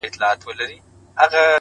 o چي د خندا خبري پټي ساتي؛